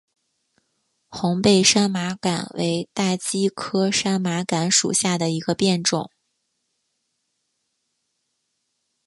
红背山麻杆为大戟科山麻杆属下的一个变种。